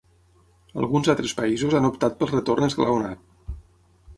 Alguns altres països han optat pel retorn esglaonat.